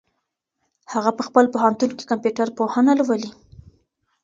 هغه په خپل پوهنتون کي کمپيوټر پوهنه لولي.